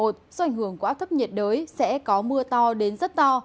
do ảnh hưởng của áp thấp nhiệt đới sẽ có mưa to đến rất to